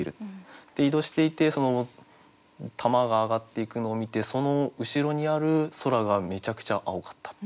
移動していてその球が上がっていくのを見てその後ろにある空がめちゃくちゃ蒼かった。